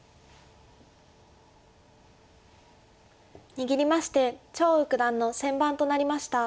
握りまして張栩九段の先番となりました。